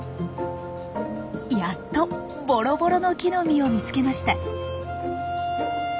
やっとボロボロノキの実を見つけました。